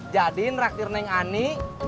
jadikan raktir neng ani